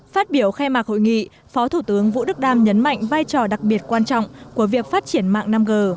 phát biểu khai mạc hội nghị phó thủ tướng vũ đức đam nhấn mạnh vai trò đặc biệt quan trọng của việc phát triển mạng năm g